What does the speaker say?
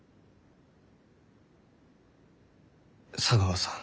茶川さん。